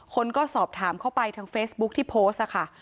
คนก็สอบถามเข้าไปทางเฟซบุ๊คที่โพสต์ค่ะ